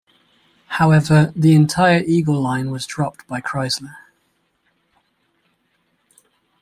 However, the entire Eagle line was dropped by Chrysler.